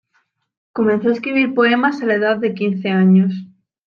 Comenzó a escribir poemas a la edad de quince años.